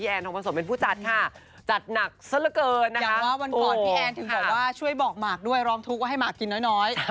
อย่างว่าวันก่อนพี่แอนถึงแบบว่าช่วยบอกหมากด้วยร้องทุกว่าให้หมากกินน้อย